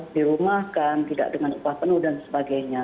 dirumahkan tidak dengan upah penuh dan sebagainya